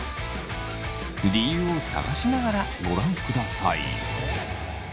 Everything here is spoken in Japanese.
理由を探しながらご覧ください。